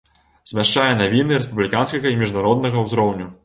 Змяшчае навіны рэспубліканскага і міжнароднага ўзроўню.